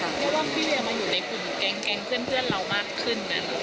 คิดว่าพี่เรียมาอยู่ในฝุ่นแกงเพื่อนเรามากขึ้นนะหรือ